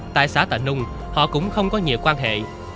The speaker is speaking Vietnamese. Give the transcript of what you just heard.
tại xã tà nung họ cũng không có nhiều quan hệ